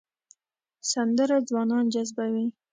سندره ځوانان جذبوي